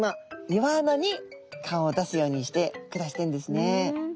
岩穴に顔を出すようにして暮らしてるんですね。